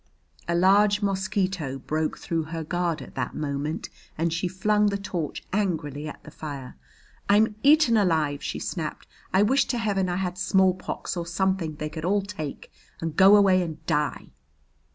A large mosquito broke through her guard at that moment and she flung the torch angrily at the fire. "I'm eaten alive!" she snapped. "I wish to Heaven I had smallpox or something they could all take and go away and die."